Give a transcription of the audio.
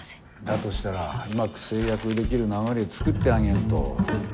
だとしたらうまく成約できる流れ作ってあげんと。